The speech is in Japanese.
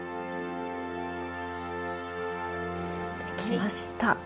できました。